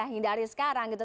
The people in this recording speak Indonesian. menghindari sekarang gitu